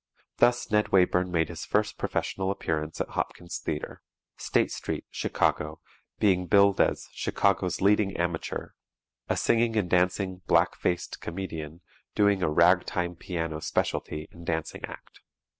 Thus Ned Wayburn made his first professional appearance at Hopkins' Theatre, State Street, Chicago, being billed as "Chicago's Leading Amateur" a singing and dancing "black faced" comedian, doing a "ragtime piano" specialty, and dancing act.